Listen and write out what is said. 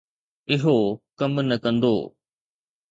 اهو ڪم نه ڪندو.